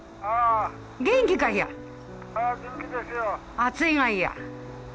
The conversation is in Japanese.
暑いがいや？